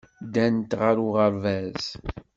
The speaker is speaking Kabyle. Ddant ɣer uɣerbaz.